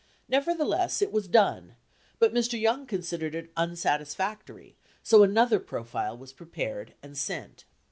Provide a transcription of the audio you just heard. Nevertheless, it was done, but Mr. Young considered it un satisfactory, so another profile was prepared and sent.